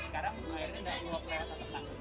sekarang airnya nggak keluar ke sana